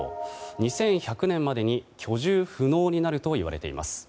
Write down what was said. ２１００年までに居住不能になるといわれています。